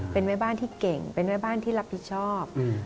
เป็นแม่บ้านที่เก่งเป็นแม่บ้านที่รับผิดชอบ